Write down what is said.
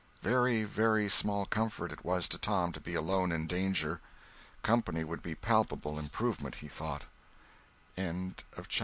Very, very small comfort it was to Tom to be alone in danger! Company would be a palpable improvement, he thought.